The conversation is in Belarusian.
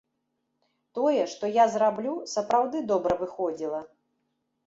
Тое, што я зраблю, сапраўды добра выходзіла.